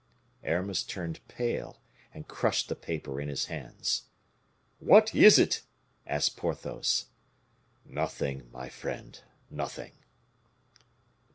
Aramis turned pale, and crushed the paper in his hands. "What is it?" asked Porthos. "Nothing, my friend, nothing."